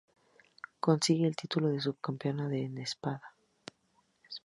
Consigue el título de subcampeona en espada.